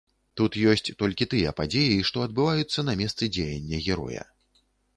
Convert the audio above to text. Тут ёсць толькі тыя падзеі, што адбываюцца на месцы дзеяння героя.